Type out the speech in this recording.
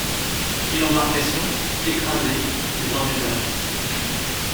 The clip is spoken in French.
Et l’embarcation, écrasée, était hors d’usage!